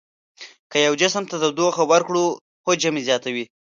که یو جسم ته تودوخه ورکړو حجم یې زیاتوي.